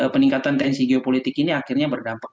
peningkatan tensi geopolitik ini akhirnya berdampak